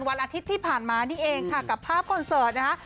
วันอาทิตย์ที่ผ่านมานี่เองค่ะกับภาพคอนเสิร์ตนะคะ